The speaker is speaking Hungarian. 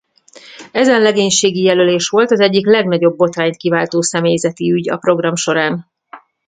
Ezen legénységi jelölés volt az egyik legnagyobb botrányt kiváltó személyzeti ügy a program során.